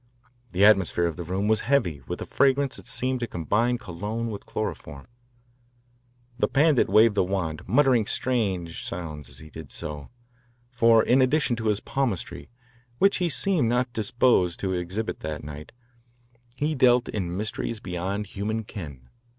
The atmosphere of the room was heavy with a fragrance that seemed to combine cologne with chloroform. The Pandit waved a wand, muttering strange sounds as he did so, for in addition to his palmistry, which he seemed not disposed to exhibit that night, he dealt in mysteries beyond human ken.